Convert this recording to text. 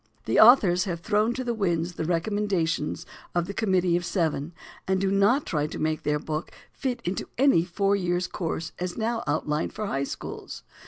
The authors have thrown to the winds the recommendations of the Committee of Seven, and do not try to make their book fit into any four years' course as now outlined for high schools.